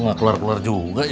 kok gak keluar keluar juga ya